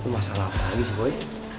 masalah apa lagi sih boy